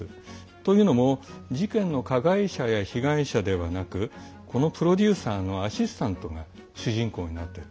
というのも事件の加害者や被害者ではなくこのプロデューサーのアシスタントが主人公になっている。